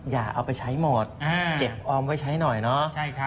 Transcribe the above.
อย่าเอาไปใช้หมดเก็บออมไว้ใช้หน่อยเนาะ